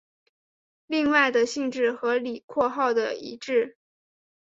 另外的性质和李括号的一致。